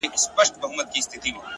• او بېوفايي ، يې سمه لکه خور وگڼه،